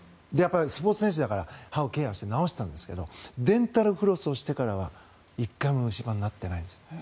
スポーツ選手だから歯をケアして治したんですがデンタルフロスをしてから１回も虫歯になってないんです。